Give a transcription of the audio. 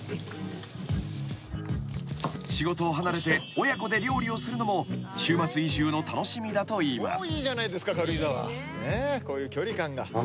［仕事を離れて親子で料理をするのも週末移住の楽しみだといいます］